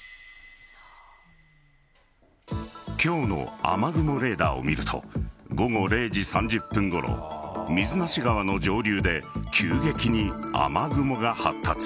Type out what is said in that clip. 今日の雨雲レーダーを見ると午後０時３０分ごろ水無川の上流で急激に雨雲が発達。